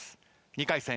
２回戦